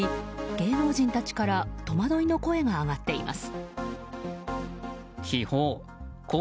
芸能人たちから戸惑いの声が上がっています。